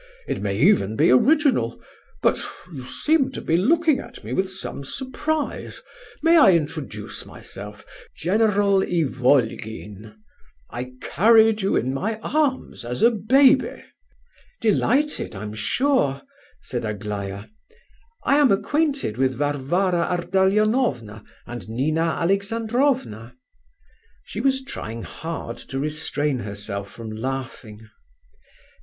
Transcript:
It may even be original. But... you seem to be looking at me with some surprise—may I introduce myself—General Ivolgin—I carried you in my arms as a baby—" "Delighted, I'm sure," said Aglaya; "I am acquainted with Varvara Ardalionovna and Nina Alexandrovna." She was trying hard to restrain herself from laughing.